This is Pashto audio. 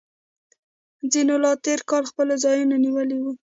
ځینو لا تیر کال خپل ځایونه نیولي وي